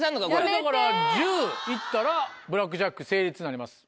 １０いったらブラックジャック成立になります。